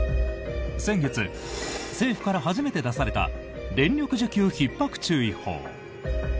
先月、政府から初めて出された電力需給ひっ迫注意報。